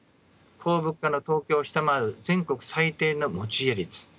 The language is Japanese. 高物価の東京を下回る全国最低の持ち家率